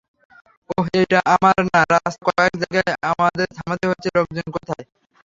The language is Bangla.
ওহ, এইটা আমার না রাস্তায় কয়েক জায়গায় আমাদের থামতে হয়েছে লোকজন কোথায়?